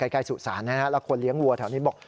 ใกล้สุสานนะฮะแล้วคนเลี้ยงวัวแถวนี้บอก